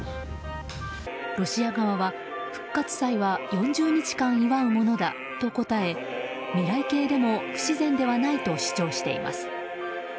ロシア側は、復活祭は４０日間祝うものだと答え未来形でも不自然ではないと主張しています。